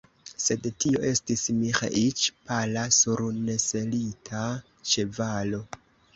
Sed tio estis Miĥeiĉ, pala, sur neselita ĉevalo.